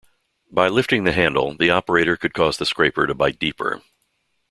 By lifting the handle, the operator could cause the scraper to bite deeper.